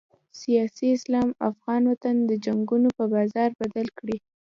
سیاسي اسلام افغان وطن د جنګونو په بازار بدل کړی.